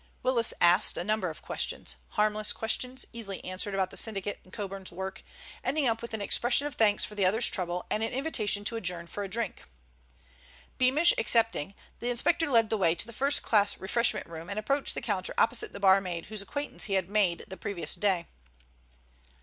Willis asked a number of other questions—harmless questions, easily answered about the syndicate and Coburn's work, ending up with an expression of thanks for the other's trouble and an invitation to adjourn for a drink. Beamish accepting, the inspector led the way to the first class refreshment room and approached the counter opposite the barmaid whose acquaintance he had made the previous day.